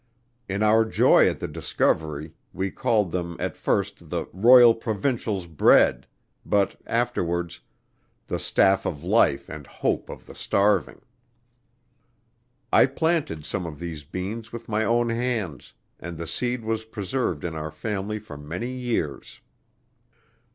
In our joy at the discovery we called them at first the "Royal Provincials' bread," but afterwards "The staff of life and hope of the starving." I planted some of these beans with my own hands, and the seed was preserved in our family for many years.